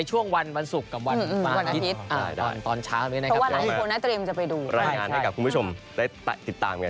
จะได้เตรียมตัวที่ถูกต้อง